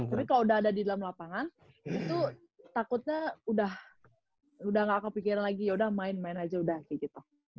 tapi kalau udah ada di dalam lapangan itu takutnya udah gak kepikiran lagi yaudah main main aja udah kayak gitu